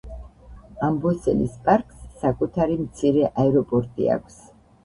ამბოსელის პარკს საკუთარი მცირე აეროპორტი აქვს.